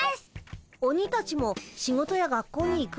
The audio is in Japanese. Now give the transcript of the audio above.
鬼たちも仕事や学校に行くんだね。